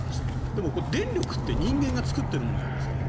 でも、電力って、人間が作ってるものじゃないですか。